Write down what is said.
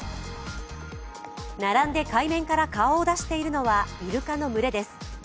並んで海面から顔を出しているのはいるかの群れです。